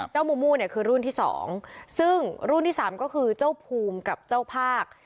มูมูเนี่ยคือรุ่นที่สองซึ่งรุ่นที่สามก็คือเจ้าภูมิกับเจ้าภาค